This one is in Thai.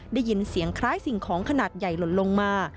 ได้ยินเสียงคล้ายสิ่งของขนาดใหญ่หล่นลงมา